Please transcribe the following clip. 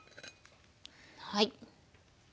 はい。